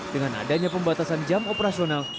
dengan adanya pembatasan jam operasional